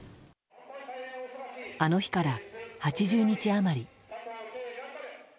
あの日から８０日余り。